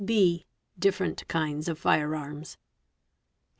B. Different kinds of Fire arms.